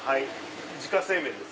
自家製麺です